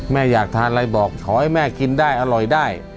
อยากทานอะไรบอกขอให้แม่กินได้อร่อยได้